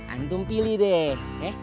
antum pilih deh